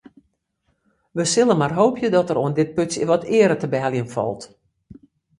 We sille mar hoopje dat der oan dit putsje wat eare te beheljen falt.